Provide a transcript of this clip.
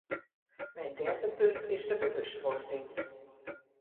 Mijn derde punt is de bewustwording.